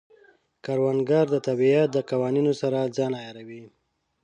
کروندګر د طبیعت د قوانینو سره ځان عیاروي